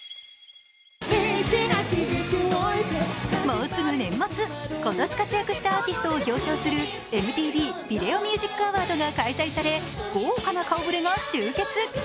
もうすぐ年末、今年活躍したアーティストを表彰するＭＴＶＶｉｄｅｏＭｕｓｉｃＡｗａｒｄが開催され豪華な顔ぶれが集結。